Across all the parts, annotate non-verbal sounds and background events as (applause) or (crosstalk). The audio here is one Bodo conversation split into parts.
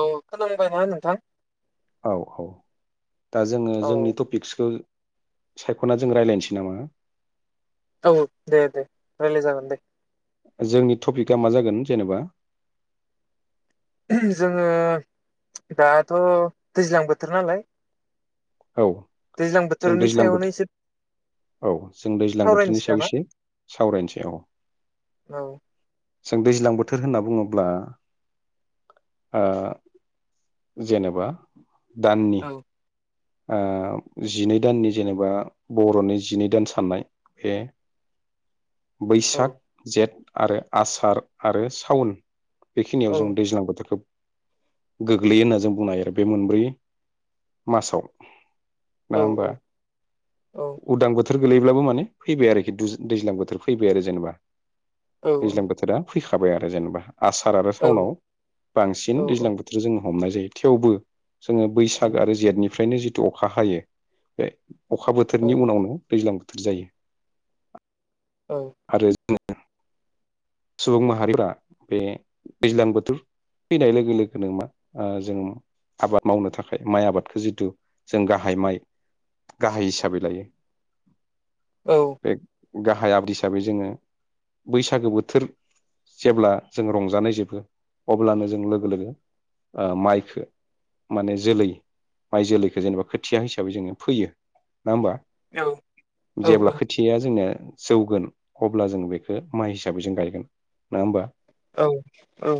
औ खोनाबाय ना नोंथां? औ औ दा जोङो औ जोंनि टपिक्सखौ सायख'ना जों रायज्लायनोसै नामा? औ दे दे रायलाय जागोन दे। जोंनि टपिकआ मा जागोन जेनेबा? जोङो दाथ' दैज्लां बोथोर नालाय औ दैज्लां जों बोथोरनि दैज्लां सायावनो एसे बोथोर औ जों दैज्लां बोथोरनि सावरायनोसै सायाव नामा एसे सावरायनोसै औ। औ जों दैज्लां बोथोर होनना बुङोब्ला जेनेबा दाननि औ जिनै दाननि जेनेबा बर'नि जिनै दान साननाय बे औ बैसाग जेट आरो आसार आरो साउन बेखिनियाव जों दैज्लां बोथोरखौ गोग्लैयो होनना जों बुंनो हायो बे मोनब्रै मासाव। औ नङा होमबा? औ उदां बो थोर गोलैब्लाबो माने फैबाय आरोखि दुज दैज्लां बोथोर फैबाय आरो जेनेबा। औ दैज्लां बोथोरा फैखाबाय आरो जेनेबा। आसार आरो औ साउनाव औ बांसिन दैज्लां बोथोर जोंङो हमनाय जायो। थेवबो जोङो बैसाग आरो जेथनि फ्रायनो जि थु अखा हायो। बे अखा बोथोरनि औ उनावनो दैज्लां बोथोर जायो। औ आरो (unintelligible) सुबुं माहारिफोरा बे दैज्लां बोथोर फैनाय लोगो लोगोनो माने जों आबाद मावनो थाखाय माइ आबादखौ जिथु जों गाहाइ माइ गाहाइ हिसाबै लायो। बे गाहाइ (unintelligible) हिसाबै जोङो बैसागो बोथोर जेब्ला जों रंजानाय जोबो। अब्लानो जों लोगो लोगो माइखो माने जोलै माइ जोलैखो जेनेबा खोथिया हिसाबै जोङो फोयो। नङा होमबा? जेब्ला औ औ खोथिया जोंना जौगोन अब्ला जों बेखो माइ हिसाबै जों गायगोन। नङा होमबा? औ औ।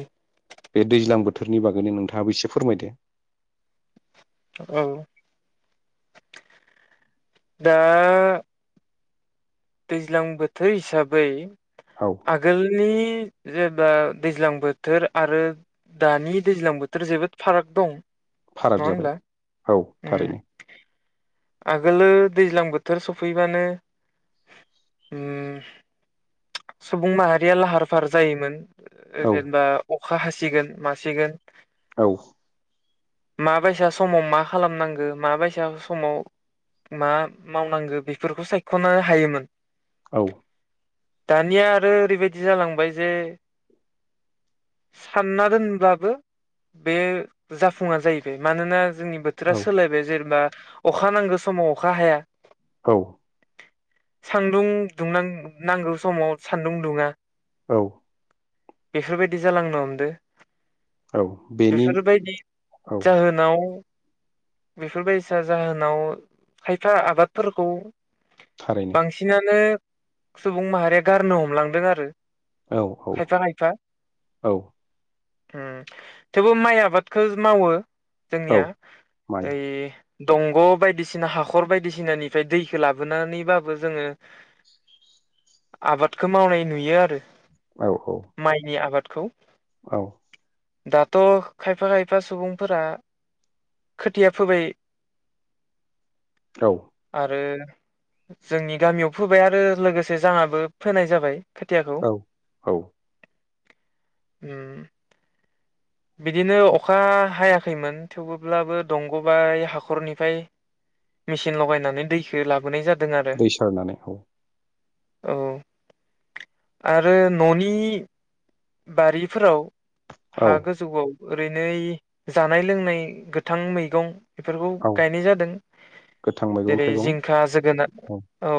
बे दैज्लां बोथोरनि बागैनो नोंथाङाबो एसे फोरमायदो। औ। दा दैज्लां बोथोर हिसाबै औ आगोलनि जेबा दैज्लां बोथोर आरो दानि दैज्लां बोथोर जोबोद फाराग दं। नङा फाराग जाबाय होनब्ला औ उम थारैनो। आगोलो दैज्लां बोथोर सफैबानो उम सुबुं माहारिया लाहार फाहार जायोमोन। ओ औ जेनेबा अ खा हासिगोन मासिगोन। औ। माबायसा समाव मा खालामनांगो माबायसा समाव मा मावनांगो बेफोरखौ सायख'नो हायोमोन। औ। दानिया आरो ओरैबायदि जालांबाय जे सानना दोनब्लाबो बे जाफुङा जाहैबाय। मानोना जोंनि बोथोरा औ सोलायबाय। जेनेबा अखा नांगो समाव अखा हाया। औ। सान्दुं दुंनां नांगौ समाव सान्दुं दुङा। औ। बेफोरबायदि जालांनो हमदो। औ बेनि बेफोरबायदि औ जाहोनाव। बेफोरबायसा जाहोन। नाव खायफा आबादफोरखौ। थारैनो बांसिनानो। सुबुं माहारिया गारनो हमलांदों आरो। औ औ औ। ओम थेवबो माइ आबादखौ मावो। औ जोंनिया माइ ओइ। दंग'। बायदिसिना हाखर बायदिसिनानिफ्राय दैखौ लाबोनानैबाबो जोङो आबादखौ मावनाय नुयो आरो। औ औ माइनि आबाद। खौ। औ। दाथ' खायफा खायफा सुबुंफोरा खोथिया फोबाय। औ आरो। जोंनि गामियाव फोबाय आरो लोगोसे जाहाबो फोनाय जाबाय। औ औ। ओम। बिदिनो अखा हायाखैमोन थेवबोब्लाबो दंग' बाय हाखरनिफ्राय मेसिन लगायनानै दैखो लाबोनाय जादों। दै सारनानै ओ। ओ आरो न'नि। बारिफोराव। औ हा गोजौआव। ओरैनो जानाय लोंनाय गोथां मैगं। बेफोरखौ औ गायनाय जादों गोथां मैगं जेरै थाइगं जिंखा जोगोनार औ।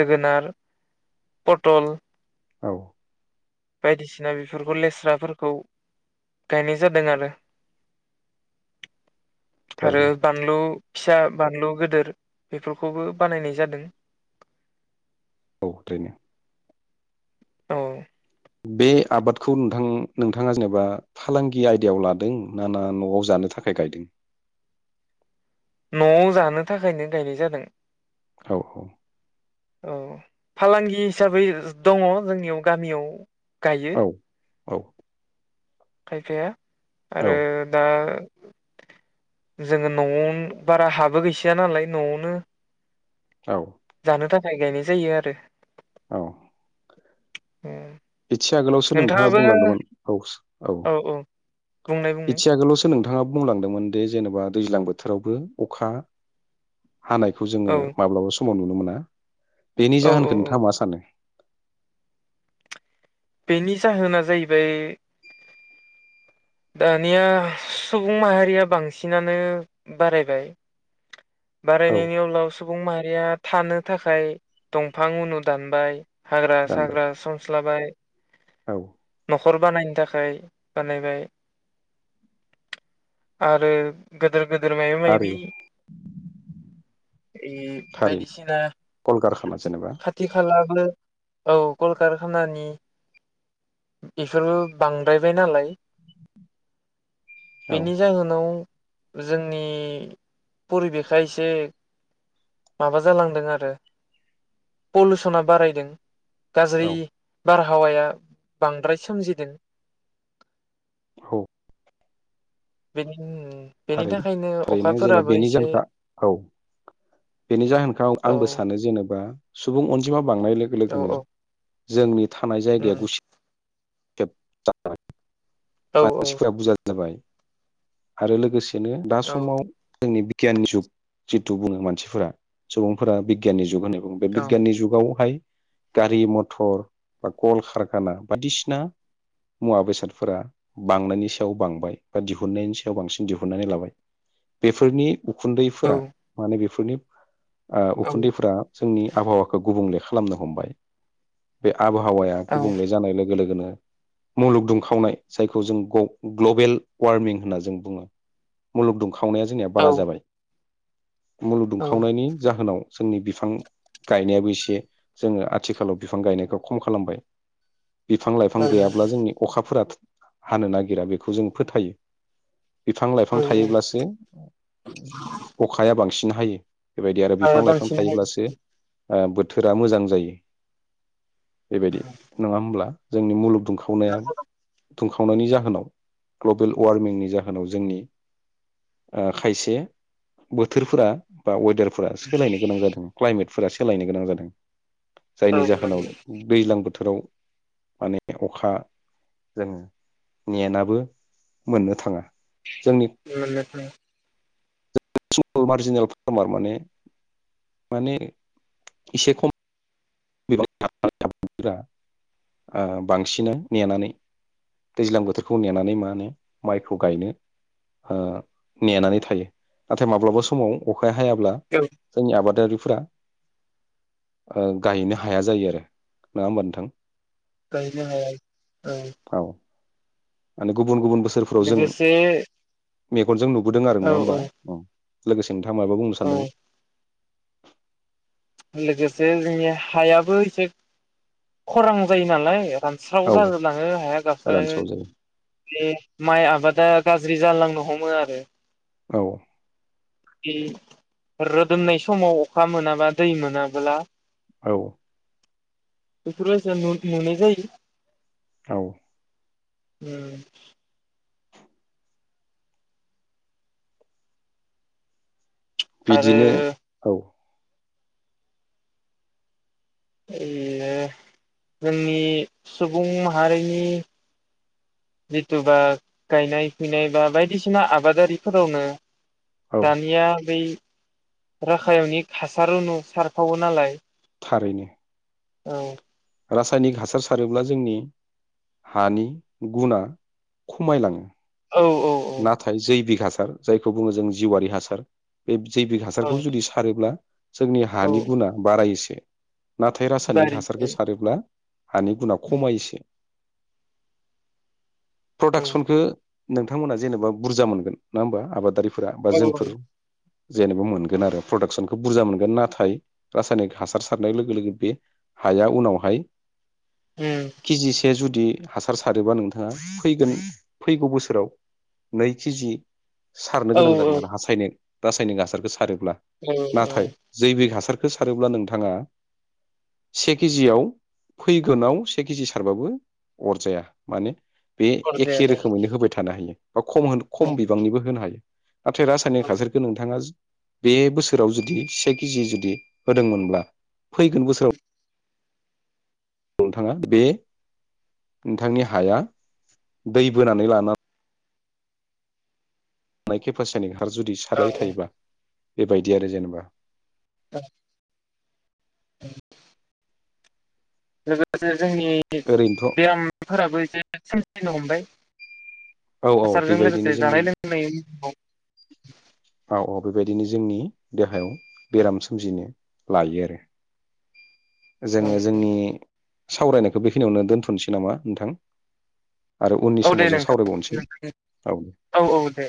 जोगोनार पटल। औ। बायदिसिना बेफोरखौ लेस्राफोरखौ गायनाय जादों आरो। आरो थारैनो बानलु। फिसा बानलु गदोर बेफोरखौबो बानायनाय जादों। औ ओरैनो। औ। बे आबादखौ नोंथां नोंथाङा जेनेबा फालांगि आयदायाव लादों ना ना न'आव जानो थाखाय गायदों। न'आव जानो थाखायनो गायनाय जादों। औ औ। औ फालांगि हिसाबै ज दङ' जोंनियाव गामियाव गायो औ औ खायफाया आरो दा जोङो न'आवनो बारा हाबो गैसया नालाय न'आवनो औ जानो थाखाय गायनाय जायो आरो औ एथि आगोलावसो नोंथाङा नोंथाङाबो बुंलांदोंमोन औस औ बुंनाय बुंनाय एथि आगोलावसो नों थाङा बुंलांदोंमोन दे जेनेबा दैज्लां बोथोरावबो अखा हानायखौ जोङो औ माब्लाबा स समाव नुनो मोना बेनि औ जाहोनखो औ औ नोंथाङा मा सानो? बेनि जाहोना जाहैबाय दानिया सुबुं माहारिया बांसिनानो बारायबाय औ बारायनायनि उनाव सुबुं माहारिया थानो थाखाय दंफां उनु दानबाय हाग्रा दानबाय साग्रा सब स्लाबाय औ न'खर बानायनो थाखाय बानायबाय आरो गोदोर गोदोर मायबा आरो मायबि ए थारैनो बायदिसिना कलकारखाना खाथि जेनेबा खाथि खालाबो औ कलकारखानानि इफोरबो बांद्रायबाय नालाय औ बेनि जाहोनाव जोंनि परिबेखा एसे माबा जालांदों आरो पलुसना बारायदों। गाजै औ बार हावाया बांद्राय सोमजिदों औ बेनि उम उम थारैनो थारैनो जेनेबा बेनि जाहोनखा औ बेनि जाहोनखौ औ आंबो सानो जेनेबा सुबुं अनजिमा बांनाय लोगो औ लोगोनो औ जोंनि थानाय जायगाया उम गुस (inaudible) औ मानसिफ्रा बुजा जाबाय आरो लो गोसेनो दा औ समाव जोंनि बिगियाननि जुग जिथु बुङो मानसिफोरा सुबुंफोरा बिगियाननि जुग होनो औ बिगियाननि जुगावहाय गारि मथर बा कल कारखाना बायदिसिना मुवा बेसादफोरा बांनायनि सायाव बांबाय बा दिहुनन्नायनि सायाव बांसिन दिहुनानै लाबाय बेफोरनि उखुन्दैफोरा माने बे फोरनि ओ औ उखुन्दैफोरा जोंनि आबहावाखौ गुबुंले खालामनो हमबाय बे आबहावाया औ गुबुंले जानाय लोगो लोगोनो मुलुग दुंखावनाय जायखौ जों ग्लबेल वार्मिं होनना जों बुङो मुलुग दुं खावनाया जोंनिया औ बारा जाबाय। औ मुलुदुंखावनायनि जाहोनाव जोंनि बिफां गायनायाबो एसे जोंङो आथिखालाव बिफां गायनायखौ खम खालामबाय। बिफां-लाइफां ओं गैयाब्ला जोंनि अखाफोरा हानो नागिरा बेखौ जों फोथायो। बिफां-लाइफां ओं थायोब्लासो अखाया बां सिन हायो। बेबायदि आरो हाया बिफां लाइफां बांसिनहाय थायोब्लासो ओ बोथोरा मोजां जायो। बेबायदि नङा होमब्ला? जोंनि मुलुग दुंखावनाया दुंखावनायनि जाहोनाव ग्लबेल वार्मिंनि जा होनाव जोंनि ओ खायसे बोथोरफोरा बा वेदारफ फोरा सोलायनो गोनां जादों क्लाइमेट फोरा सोलायनो गोनां जादों। औ जायनि जाहोनाव नंगौ दैज्लां बोथ थोराव माने अखा जोङो नेेनाबो मोननो थाङा। जोंनि मोननो थांङा। सल' मार्जिनेल फार्मार माने माने एसे खम (unintelligible) ओ बिबांसिनानो नेनानै दैज्लां बोथोरखौ नेनानै मा होनो माइखौ गायनो ओ नेनानै थायो नाथाय माब्लाबा समाव अख हायाब्ला औ जोंनि आबादारिफ फुरा ओं दायनो हाया जायो आरो नोंङा होमबा नोंथां? गायनो हाया औ। आनो गुब गुबुन गुबुन बोसोरफ्राव जों। लोगोसे मेगनजों नुब बुदों आरो औ नंङा होमबा औ लोगोस नोंथाङा माबा बुंनो औ सानदोंमोन? लोगोसे जोंनि हायाबो एसे खरां जायो नालाय। रानस्राव औ जा जोबलाङो हाया गावस्रायो रानस्राव जायो बे माइ आबादा। गाज्रि जालांनो हमो आरो। औ। दि रोदोमनाय समाव अखा मोनाबा दै मोनाब्ला। औ। बेफोरबायसा नु नुनाय जायो। औ। उम। आरो बिदिनो औ। ओ जोंनि सुबुं माहारिनि जिथुबा गायनाय फुयनाय बा बायदिसिना आबादारिफोरावनो औ दानिया बै राखायावनि हासार रुनु सारफावो नालाय। थारैनो। औ। रासायनिक हासार सारोब्ला जोंनि हानि गुना खमायलाङो। औ औ नाथाय (unintelligible) हासार जायखौ बुंङो जों जिउआरि हासार बे जैबिक औ हासारखौ जुदि सारोब्ला जोंनि औ हानि गुना बारायोसो। नाथाय रासायनिक बारि हासारखौ औ सारोब्ला हानि गुना खमायोसो। औ प्रडाक्सनखौ। नों थांमोना जेनेबा बुरजा मोनगोन नंङा होमबा आबादारि फोरा बा औ जोंफोर। जेनेबा मोनगोन आरो प्रडाक्सनखौ बुरजा मोनगोन नाथाय रासायनिक हासार सारनाय लोगो लोगो बे हाया उनावहाय के जि से जुदि बिदि हासार सारोबा नोंथाङा फैगोन फैगौ बोसोराव नै के जि सारनो औ गोनां जागोन आरो रासायनिक रासायनिक हासारखौ सारो ब्ला औ औ नाथाय जैबिक हासार सारोब्ला नोंथाङा से के जि याव फैगोनाव से के जि सारबाबो अरजाया माने। बे हरजाया एखे आरो रोखोमैनो होबाय थानो हायो। बा खम होन औ खम बिबांनिबो होनो हायो। नाथाय रासायनिक औ हासारखो नोंथाङा बे बोसोराव जुदि से के जि जुदि होदोंमोनब्ला फैगोन बोसोराव नोंथाङा बे नोंथांनि हाया दै बोनानै लाना (unintelligible) आरो जुदि सारबाय थायोबा बेबायदि आरो जेनेबा। औ औ (unintelligible) जोंनि ओरैनोथ' बेरामफोराबो एसे (unintelligible) हमबाय औ औ हासारजों बेबायदिनो लोगोसे जोंनि जानाय लोंनायनि उनाव औ औ बेबायदिनो जोंनि देहायाव बेराम सोमजिनो लायो आरो। जोङो औ जोंनि सावरायनायखौ बेखिनियावनो दोनथ'नोसै नामा नोंथां? आरो उननि औ समाव दे जों सावरायबावनोसै। नोंथां औ औ दे